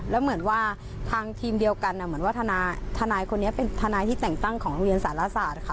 แล้วเหมือนว่าทางทีมเดียวกันเหมือนว่าทนายคนนี้เป็นทนายที่แต่งตั้งของโรงเรียนสารศาสตร์ค่ะ